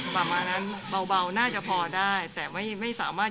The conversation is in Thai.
แบบนั้นบ่าวน่าจะพอใช้แต่ไม่ไม่สามารถ